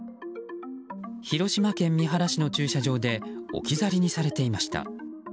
広島県三原市の駐車場で置き去りにされていました。